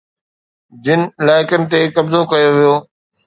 جن علائقن تي قبضو ڪيو ويو